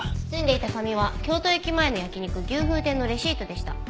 包んでいた紙は京都駅前の焼肉牛風亭のレシートでした。